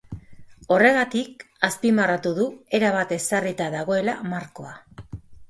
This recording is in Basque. Horregatik, azpimarratu du erabat ezarrita dagoela markoa.